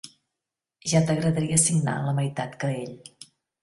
Ja t'agradaria signar la meitat que ell.